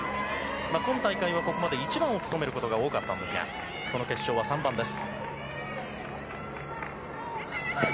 今大会は、ここまで１番を務めることが多かったんですがこの決勝は３番です。